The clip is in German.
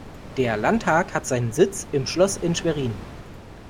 Der Landtag hat seinen Sitz im Schloß in Schwerin.